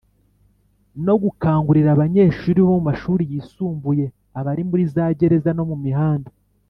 No gukangurira abanyeshuri bo mu mashuri yisumbuye abari muri za gereza no mumihanda